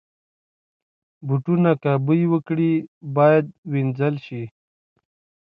بوټونه که بوی وکړي، باید وینځل شي.